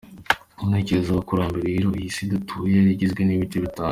Mu ntekerezo z’Abakurambere rero, iyi “Si” dutuye yari igizwe n’ibice bitatu.